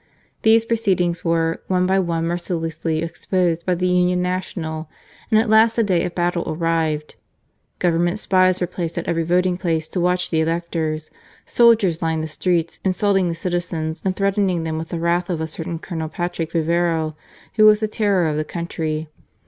These proceedings were, one by one, mercilessly exposed by the Union Nacional, and at last the day of battle arrived^ Government spies were placed at every voting place to watch the electors. Soldiers lined the streets, insulting the citizens and threatening them with the wrath of a certain Colonel Patrick Vivero, who was the terror of the country.